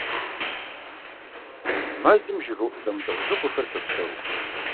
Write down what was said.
Мэзым жыгыуӀу зэмылӀэужьыгъуэхэр щопсэу.